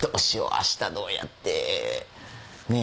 明日どうやってねえ？